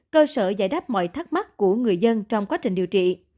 cơ sở giải đáp mọi thắc mắc của người dân trong quá trình điều trị